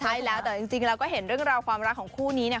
ใช่แล้วแต่จริงเราก็เห็นเรื่องราวความรักของคู่นี้เนี่ย